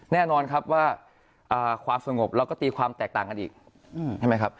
แน่นอนว่าความสงบเราก็ตีความแตกต่างกันอีก